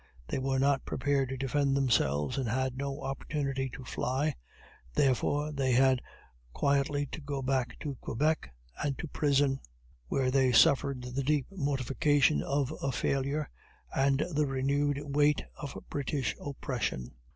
They were not prepared to defend themselves, and had no opportunity to fly; therefore they had quietly to go back to Quebec, and to prison, where they suffered the deep mortification of a failure, and the renewed weight of British oppression.